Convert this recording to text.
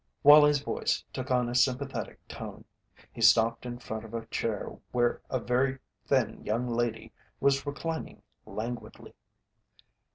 Wallie's voice took on a sympathetic tone. He stopped in front of a chair where a very thin young lady was reclining languidly.